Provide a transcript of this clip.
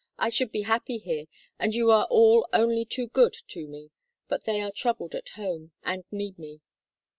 "I should be happy here, and you are all only too good to me, but they are troubled at home, and need me."